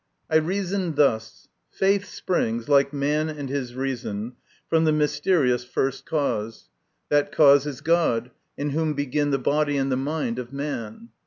.1 reasoned thus : Faith springs, like man and his reason, from the mysterious first cause. MY CONFESSION. 121 That cause is God, in whom begin the body and the mind of man.